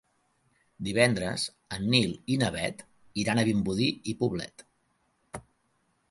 Divendres en Nil i na Bet iran a Vimbodí i Poblet.